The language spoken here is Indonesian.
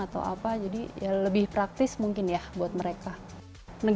atau apa jadi ya lebih praktis mungkin ya buat mereka negaranya kalau datengin langsung ini semua